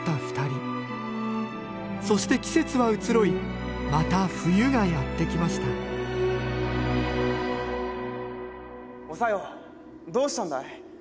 そして季節は移ろいまた冬がやって来ましたお小夜どうしたんだい？